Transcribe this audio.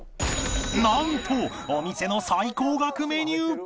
［何とお店の最高額メニュー！］